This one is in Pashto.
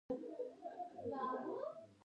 ایران د ساینس او پوهې مرکز و.